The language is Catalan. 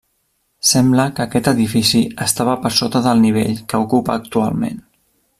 Sembla que aquest edifici estava per sota del nivell que ocupa actualment.